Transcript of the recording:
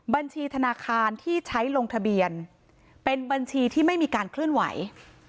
บัญชีธนาคารที่ใช้ลงทะเบียนเป็นบัญชีที่ไม่มีการเคลื่อนไหว